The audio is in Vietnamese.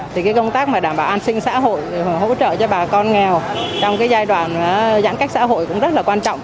thì công tác đảm bảo an sinh xã hội hỗ trợ cho bà con nghèo trong giai đoạn giãn cách xã hội cũng rất là quan trọng